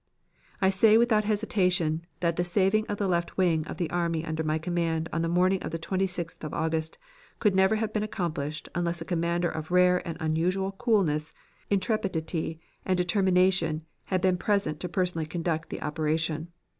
"I say without hesitation that the saving of the left wing of the army under my command on the morning of the 26th of August, could never have been accomplished unless a commander of rare and unusual coolness, intrepidity, and determination had been present to personally conduct the operation.